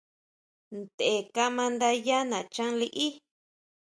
Ntʼe kama nda yá nachan liʼí.